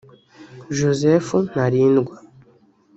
Joseph Ntarindwa